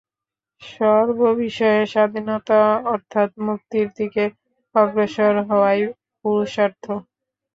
সর্ববিষয়ে স্বাধীনতা অর্থাৎ মুক্তির দিকে অগ্রসর হওয়াই পুরুষার্থ।